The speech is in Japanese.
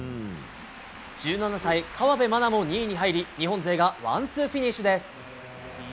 １７歳、河辺愛菜も２位に入り日本勢がワンツーフィニッシュです。